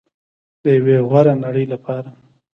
د یوې غوره نړۍ لپاره.